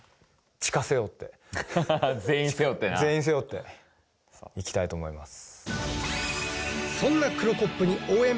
地下背負って全員背負ってな全員背負っていきたいと思います